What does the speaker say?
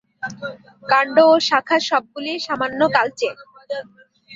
কান্ড ও শাখা সবগুলিই সামান্য কালচে।